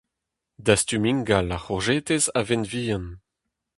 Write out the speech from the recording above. Dastum ingal ar c'hourjetez a vent vihan.